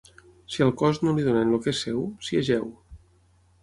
Si al cos no li donen el que és seu, s'hi ajeu.